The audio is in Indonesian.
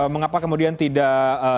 mengapa kemudian tidak